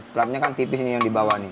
platnya kan tipis yang di bawah ini